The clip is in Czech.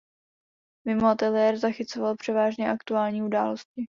Mimo ateliér zachycoval převážně aktuální události.